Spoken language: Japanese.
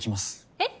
えっ？